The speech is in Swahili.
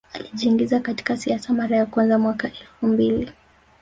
Alijiingiza katika siasa mara ya kwanza mwaka elfu mbili